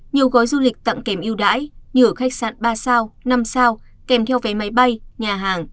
nhiều gói du lịch tặng kèm yêu đãi như ở khách sạn ba sao năm sao kèm theo vé máy bay nhà hàng